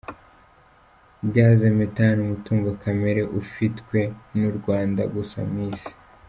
Gaz methane, umutungo kamere ufitwe n’ u Rwanda gusa mu Isi.